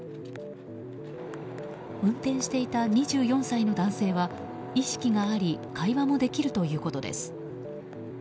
運転していた２４歳の男性は意識があり会話もできるということです。